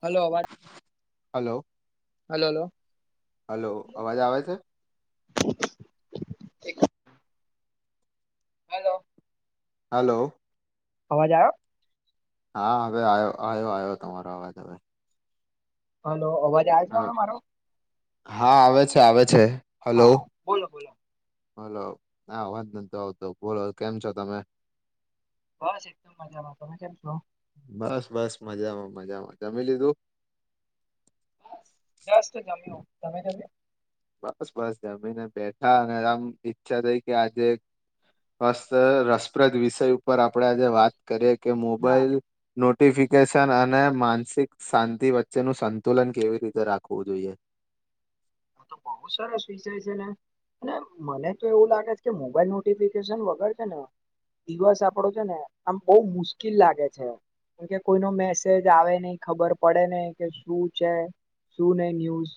હલોવા hello hello [inaudible] hello અવાજ આવે છે હલો હલો અવાજ આયો હા હવે આવ્યો આવ્યો આવ્યો તમારો અવાજ હવે હા તો અવાજ આવે હા હે મારો હા આવે છે આવે છે હલો હા બોલો બોલો હલો હા અવાજ નતો આવતો બોલો કેમ છો તમે બસ એકદમ મજામાં તમે કેમ છો બસ બસ મજામાં મજામાં જમી લીધું જસટ જમ્યો તમે તમે બસ બસ જમીને બેઠા અને આમ ઈચ્છા થઈ કે આજે ફસ્ રસપ્રદ વિષય ઉપર આપણેે આજે વાત કરીએ કે હા મોબાઈલ નોટ નોટિફિકેશન અને માનસિક શાંતિ વચ્ચેનું સંતુલન કેવી રીતે રાખવું જોઈએ આ બહુ સરસ વિષય છે ને અને મને તો એવું લાગે છે કે મોબાઈલ નોટિફિકેશન વગર છે ને દિવસ આપણો છે ને આમ બહુ મુશ્કેલ લાગે છે કેમ કે કોઈ ન મેસેજ આવે નહી ખબર પડે નહી કે શું છે શું નહી ન્યૂઝ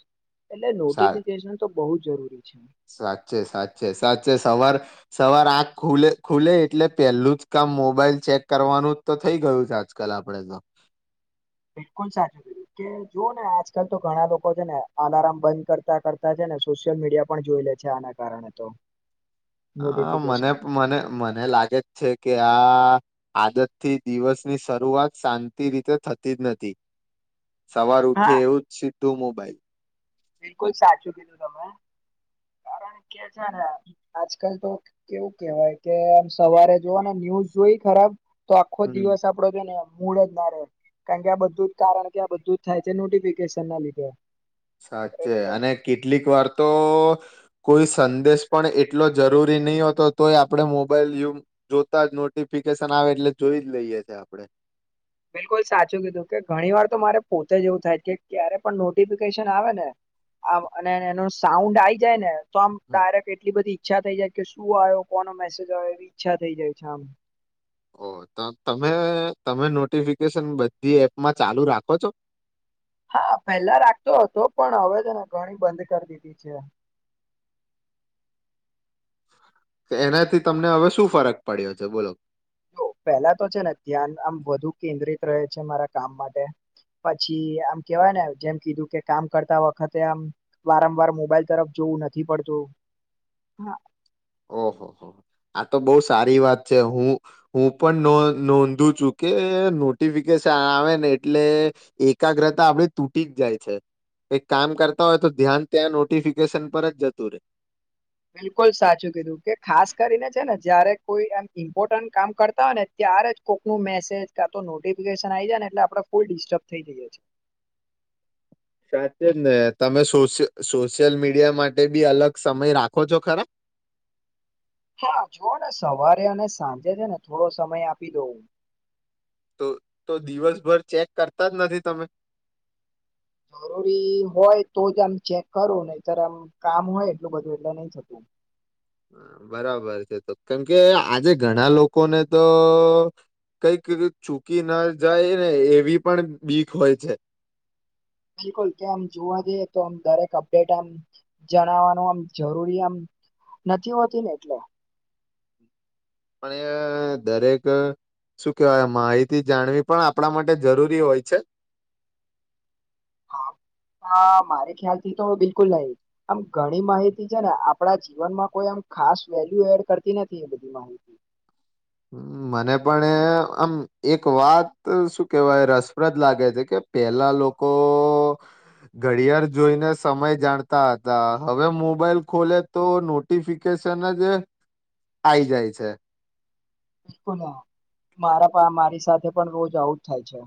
એટલે સા નોટિફિકેશન તો બહુ જરૂરી છે સાચે સાચે સાચે સવાર સવાર આખ ખુલ્લે ખુલ્લે એટલે પેલું જ કામ મોબાઈલ ચેક કરવાનું તો થઈ ગયું છે આજકાલ આપડે તો બિલકુલ સાચું કીધું કે જોઓ ને આજકાલ તો ઘણા લોકો છે ને અલાર્મ બંધ કરતા કરતા છે ને સોશિયલ મીડિયા પણ જોઈ લે છે આના કારણે તો હ મને નોટિફિકેશન મને મને લાગે જ છે કે આ આદતથી દિવસની શરૂઆત શાંતિ રીતે થતી જ નથી સવાર હા ઉઠી એવું જ ટુ મોબાઈલ બિલકુલ સાચું કીધું તમે કારણ કે છે ને આજકાલ તો કેવું કેવાય કે આમ સવારે જોવ ને ન્યુઝ જોઈ ખરાબ તો આખો હમ દિવસ આપડો તો મૂડ જ ના રે કારણ કે આ બધું જ કારણ કે આ બધું જ થાય છે નોટિફિકેશનના લીધે સાચે એટલે અને કેટલીક વાર તો તો કોઈ સંદેશ પણ એટલો જરૂરી નહી હોતો તોય આપણે મોબાઈલ યુ જોતા જ નોટિફિકેશન આવે એટલે જોઈ જ લઈએ છે આપણેે બિલકુલ સાચું કીધું કે ઘણી વાર તો મારે પોતે જ એવું થાય કે ક્યારે પણ નોટિફિકેશન આવે ને આ અને એનો સાઉન્ડ આઈ જાય ને તો આમ ડાયરેક એટલી બધી ઈચ્છા થઈ જાય કે શું આયો, કોનો મેસેજ આયો એવી ઈચ્છા થઈ જાય છે આમ ઓહ! તો તમે તમે નોટિફિકેશન બધી એપમાં ચાલુ રાખો છો? હા પેલા રાખતો હતો પણ હવે તો મેં ઘણી બંધ કર દીધી છે. તે એનાથી તમને હવે શું ફરક પડ્યો છે બોલો? જો પેલા તો છે ને ધ્યાન આમ વધુ કેન્દ્રિત રહે છે મારા કામ માટે પછી આમ કેવાયને જેમ કીધું કે કામ કરતા વખતે આમ વારંવાર મોબાઈલ તરફ જોવું નથી પડતું હા ઓહો હો! આ તો બહુ સારી વાત છે. હું હું પન નોંધ નોંધું છું કે નોટિફિકેશન આવે ને એટલે એકાગ્રતા આપડી તૂટી જ જાય છે. એક કામ કરતા હોય તો ધ્યાન ત્યાં નોટિફિકેશન પર જ જતું રે બિલકુલ સાચું કીધું કે ખાસ કરીને છે ને જયારે કોઈ આમ ઈમ્પોર્ટન્ટ કામ કરતા હોય ને ત્યારે જ કોકનું મેસેજ કા તો નોટિફિકેશન આઈ જાય ને એટલે આપડે ફૂલ ડિસ્ટર્બ થઈ જઈએ છીએ. સાચે જ ને તમે સોશિયલ સોશિયલ મીડિયા માટે બી અલગ સમય રાખો છો ખરા? હા જુઓ ને સવારે અને સાંજે છે ને થોડો સમય આપી દઉં. તો તો દિવસભર ચેક કરતા જ નથી તમે? જરૂરી હોય તો જ આમ ચેક કરું નહીંતર આમ કામ હોય એટલું બધું એટલે નઈ થતું બરાબર છે તો કેમ કે આજે ઘણા લોકોને તો કઈક ચૂકી ના જાય ને એવી પણ બીક હોય છે. બિલકુલ કે આમ જોવા જઈએ તો આમ દરેક અપડેટ આમ જણાવાનું આમ જરૂરી આમ નથી હોતી ને એટલે પણ એ દરેક શું કેહેવાય માહિતી જાણવી પણ આપણા માટે જરૂરી હોય છે. હા હા મારે ખ્યાલથી તો બિલકુલ નહીં આમ ઘણી માહિતી છે ને આપણા જીવનમાં કોઈ આમ ખાસ વેલ્યુ એડ કરતી નથી એ બધી માહિતી મને પણ આમ એક વાત શું કેહેવાય રસપ્રદ લાગે છે કે પેલા લોકો ઘડિયાળ જોઈને સમય જાણતા હતા હવે મોબાઈલ ખોલે તો નોટિફિકેશન જ આઈ જાય છે. મારા મારી સાથે પણ રોજ આવું જ થાય છે.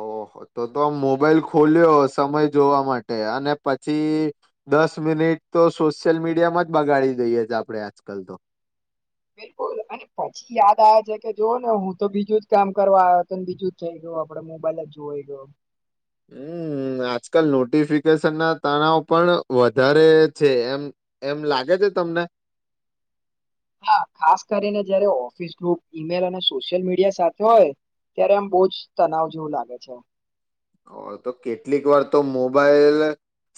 ઓહો તો તો મોબાઈલ ખોલ્યો સમય જોવા માટે અને પછી દસ મિનિટ તો સોશિયલ મીડિયામાં જ બગાડી દઈએ છે આપડે આજકાલ તો બિલકુલ અને પછી યાદ આવે છે કે જો ને હું તો બીજું જ કામ કરવા આયો તો ને બીજું જ થઈ ગયું આપણે મોબાઈલ જ જોવાઈ ગયો. હમ આજકલ નોટિફિકેશનના તણાવ પણ વધારે છે એમ એમ લાગે છે તમને હા ખાસ કરીને જયારે ઓફિસ ગ્રુપ ઈમેલ અને સોશિયલ મીડિયા સાથે હોય ત્યારે આમ બહુ જ તનાવ જેવું લાગે છે. ઓહ તો કેટલીક વાર તો મોબાઈલ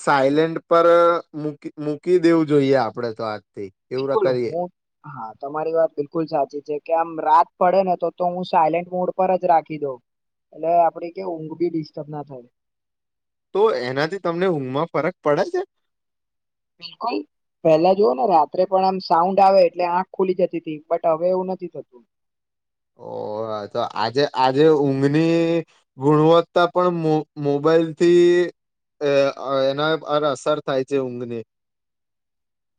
સાયલેન્ટ પર મૂકી મૂકી દેવું જોઈએ આપડે તો આજ બિલકુલ હું હા તમારી વાત બિલકુલ સાચી છે કે આમ રાત પડે ને તો તો હું સાયલેન્ટ મોડ પર જ રાખી દઉં એટલે આપડી કેવું ઊંઘ બી ડિસ્ટર્બ ના થાય. તો એનાથી તમને ઊંઘમાં ફરક પડે છે. બિલકુલ પેલા જોવો ને રાત્રે પણ આમ સાઉન્ડ આવે એટલે આંખ ખુલી જતી તી બટ હવે એવું નથી થતું. ઓહ તો આજે આજે ઊંઘની ગુણવત્તા પણ મો મોબાઈલથી અ અ એના પર અસર થાય છે ઊંઘની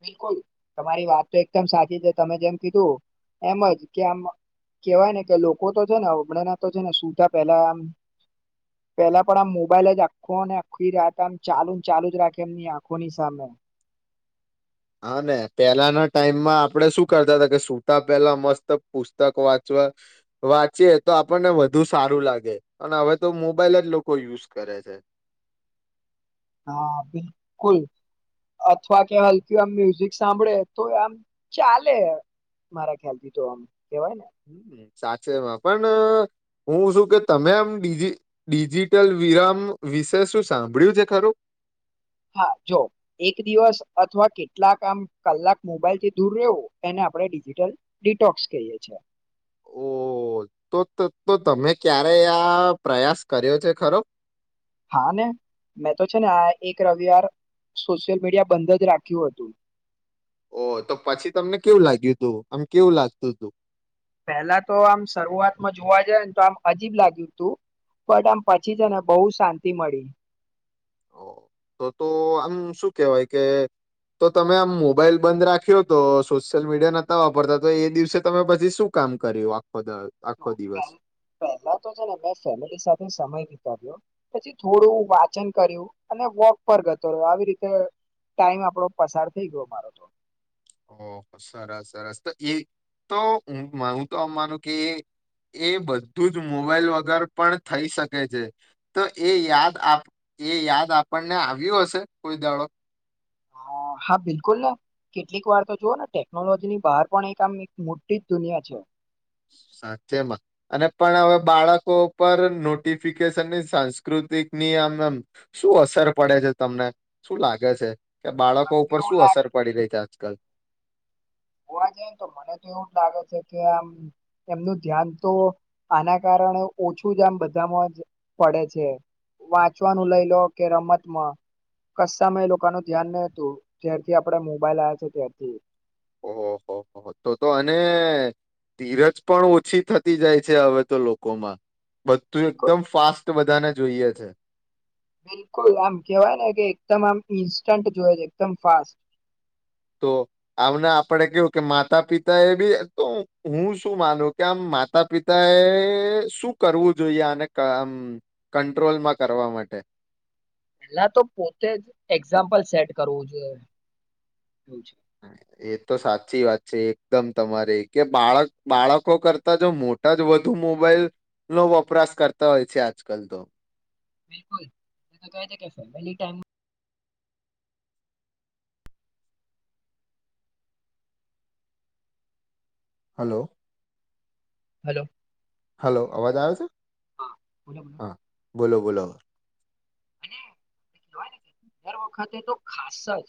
બિલકુલ તમારી વાત તો એકદમ સાચી છે તમે જેમ કીધું એમ જ કે આમ કેહેવાય ને કે લોકો તો છે ને હમણાંના તો છે ને સુતા પેલા આમ પેલા પણ આમ મોબાઈલ જ આખો ને આખી રાત આમ ચાલુ ન ચાલુ જ રાખે એમની આંખોની સામે હા ને પહેલાના ટાઈમમાં આપણેે શું કરતા તા કે સુતા પેલા મસ્ત પુસ્તક વાંચવા વાંચીએ તો આપણને વધુ સારું લાગે અને હવે તો મોબાઈલ જ લોકો યુઝ કરે છે. હા બિલકુલ અથવા કે હલકી આમ મ્યુઝિક સાંભળે તોય આમ ચાલે મારા ખ્યાલથી તો આમ કેવાય ને હમ, સાચેમાં પણ હું શું કે તમે આમ ડીજી ડિજિટલ વિરામ વિશે શું સાંભળ્યું છે ખરું હા જો એક દિવસ અથવા કેટલાક આમ કલાક મોબાઈલથી દૂર રહેવું એને આપણે ડિજિટલ ડિટોક્સ કહીએ છે. ઓહ તો તો તો તમે ક્યારે આ પ્રયાસ કર્યો છે ખરો હા ને મેં તો છે ને આ એક રવિવાર સોશિયલ મીડિયા બંધ જ રાખ્યું હતું. ઓહ તો પછી તમને કેવું લાગ્યું તું આમ કેવું લાગતું તું પેલા તો આમ શરૂઆતમાં જોવા જાય ને તો આમ અજીબ લાગ્યું તું બટ આમ પછી છે ને બહુ શાંતિ મળી ઓહ તો તો આમ શું કેહેવાય કે તો તમે આમ મોબાઈલ બંધ રાખ્યો તો સોશિયલ મીડિયા નતા વાપરતા તો એ દિવસે તમે પછી શું કામ કર્યું આખ જો પેલ પેલા તો છે ને મેં ફેમિલી સાથે સમય વિતાવ્યો પછી થોડું વાચન કર્યું અને વોક પર જતો રહ્યો આવી રીતે ટાઈમ આપડો પસાર થઈ ગયો મારો તો ઓહ સરસ સરસ તો એ તો હું તો અનું કે એ બધું જ મોબાઈલ વગર પણ થઈ શકે છે તો એ યાદ એ યાદ આપણને આવ્યું હશે કોઈ દાળો હા બિલકુલ ને કેટલીક વાર તો જોઓ ને ટેકનોલોજીની બહાર પણ એક આમ એક મોટી જ દુનિયા છે. સાચેમાં અને પણ હવે બાળકો પર નોટિફિકેશનની સાંસ્કૃતિકની આમ એમ શું અસર પડે છે તમને શું લાગે છે. કે મને બાળકો તો ઉપર એવું શું લાગે અસર પડી રહી છે આજકાલ હોવા જઈ ને તો મને તો એવું જ લાગે છે કે આમ એમનું ધ્યાન તો આના કારણે ઓછું જ આમ બધામાં જ પડે છે વાંચવાનું લઈ લો કે રમતમાં કસ્માં એ લોકોનું ધ્યાન નહી હતું જ્યારથી આપડે મોબાઈલ આવે છે ત્યારથી ઓહ હો તો તો અને ધીરજ પણ ઓછી થતી જાય છે હવે તો લોકોમાં બધું બિલકુલ એકદમ ફાસ્ટ બધાને જોઈએ છે. બિલકુલ આમ કહેવાય ને કે એકદમ આમ ઇન્સ્ટન્ટ જોવે છે એકદમ ફાસ્ટ તો આમને આપણે કેવું કે માતા પિતા એ બી તો હું શું માનું કે આમ માતા પિતાએ શું કરવું જોઈએ આને આમ કંટ્રોલમાં કરવા માટે પેલા તો પોતે જ એક્ઝામ્પલ સેટ કરવું જોઈએ એવું છે. એ તો સાચી વાત છે એકદમ તમારે કે બાળક બાળકો કરતા જો મોટા જ વધુ મોબાઈલનો વપરાશ કરતા હોય છે આજકાલ તો બિલકુલ એ તો કહે છે કે family time hello hello hello, અવાજ આવ છે હા બોલો બોલો હા. બોલો, બોલો. અને કેવાયને કે દર વખતે તો ખાસ જ.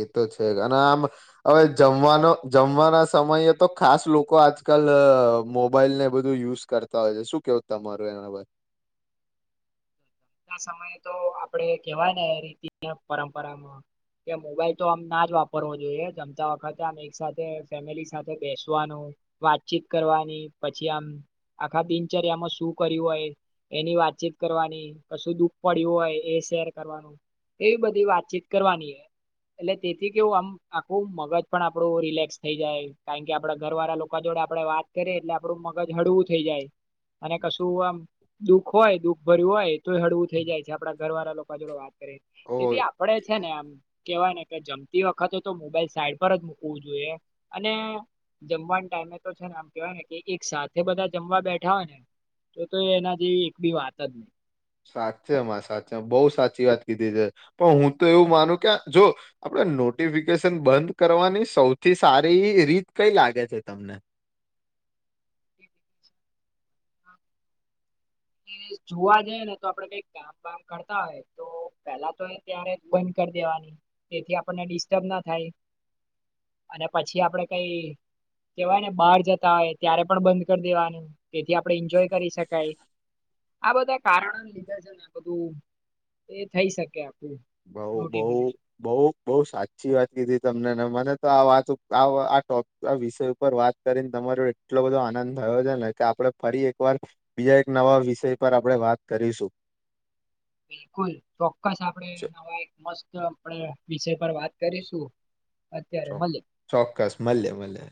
એ તો છે, અને આમ હવે જમવાનો જમવાના સમયે તો ખાસ લોકો આજકાલ મોબાઈલ ને બધું યુઝ કરતા હોય છે- શું કેવું તમારું એના સમયે તો આપણે કેવાય ને રીત પરંપરામાં કે મોબાઈલ તો આમ ના જ વાપરવો જોઈએ જમતા વખતે. આમ એક સાથે ફેમિલી સાથે બેસવાનું, વાતચીત કરવાની, પછી આમ આખા દિનચર્યામાં શું કર્યું હોય એની વાતચીત કરવાની. કશું દુઃખ પડ્યું હોય એ શેર કરવાનું, એવી બધી વાતચીત કરવાની. એટલે તેથી કેવું આમ આખું મગજ પણ આપણું રિલેક્સ થઈ જાય, કારણ કે આપડા ઘરવાળા લોકો જોડે આપણેે વાત કરીએ એટલે આપણું મગજ હળવું થઈ જાય અને કશું આમ દુઃખ હોય, દુઃખ ભર્યું હોય. તો હળવું થઈ જાય આપણા ઘર વાળા લોકો જોડ વાત. ઓ જેથી આપડે છે ને આમ. કેવાય ને કે જમતી વખતે તો મોબાઈલ સાઈડ પર જ મુૂકવું જોઈએ, અને જમવા ટાઈમે તો છે ને આમ કેવાયને કે એક સાથે બધા જમવા બેઠા હોય ને તો તો એના જેવી એક બી વાત જ નહી. સાચેમાં સાચે બહુ સાચી વાત કીધી છે, પણ હું તો એવું માનું કે જો આપડે નોટિફિકેશન બંધ કરવાની સૌથી સારી રીત કઈ લાગે છે તમને. જોવા જઈ ને તો આપડે કઈ કામ વાામ કરતા હોય તો પેલા તો ત્યારે બંધ કરી દેવાની, તેથી આપણને ડિસ્ટર્બ ના થાય. અને પછી આપડે કઈ કેવાયને બહાર જતા હોય ત્યારે પણ બંધ કરી દેવાનું, તેથી આપણે એન્જોય કરી શકાય. આ બધા કારણ લીધા છે ને બધું એ થઈ શકે. આપણું બઉ બઉ નોટિફિકેશન બઉ બઉ સાચી વાત કીધી તમને મને. તો આ વાત, ટોપિક વિષય ઉપર વાત કરીને તમારો એટલો બધો આનંદ થયો છે ને કે આપણે ફરી એકવાર બીજા એક નવા વિષય પર આપણે વાત કરીશું. બિલકુલ ચોક્કસ આપ. ચો- આપવા એક મસ્ત આપ વિશે પર વાત કરીશું. અત્યારે ચોક્કસ, મળે ચોક્કસ, મળીએ મળીએ.